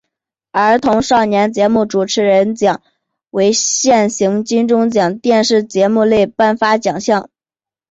儿童少年节目主持人奖为现行金钟奖电视节目类颁发奖项。